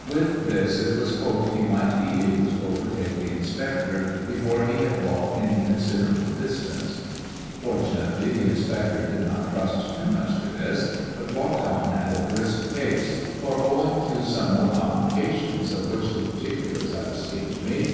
With this it was hoped he might be able to overtake the inspector before he had walked any con siderable distance. Fortunately the inspector did not trust too much to this, but walked on at a tyS MADBMOISKLLK DCS. brisk pace, for owing to some more complications, of which the particulars have escaped me.